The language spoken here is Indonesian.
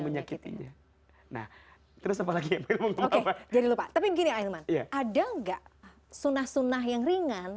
menyakitinya nah terus apalagi jadi lupa tapi gini airman ada enggak sunah sunah yang ringan